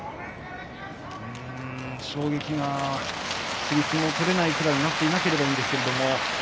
衝撃が次、相撲を取れないぐらいになっていなければいいんですが。